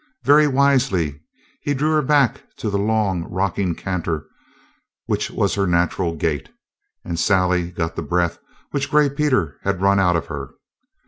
Very wisely he drew her back to the long, rocking canter which was her natural gait, and Sally got the breath which Gray Peter had run out of her.